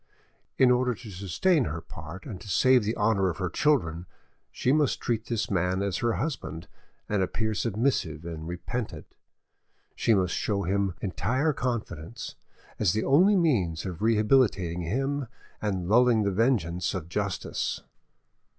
In order to sustain her part and to save the honour of her children, she must treat this man as her husband and appear submissive and repentant; she must show him entire confidence, as the only means of rehabilitating him and lulling the vigilance of justice.